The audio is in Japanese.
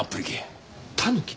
タヌキ？